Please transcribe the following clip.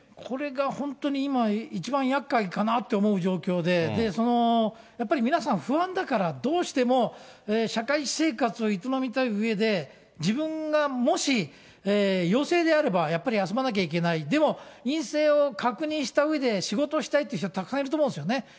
これが本当に今、一番やっかいかなって思う状況で、そのやっぱり皆さん、不安だからどうしても、社会生活を営みたいうえで、自分がもし陽性であれば、やっぱり休まなきゃいけない、でも陰性を確認したうえで、仕事したいっていう人はたくさんいると思うんですよね。